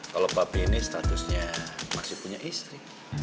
kalau babi ini statusnya masih punya istri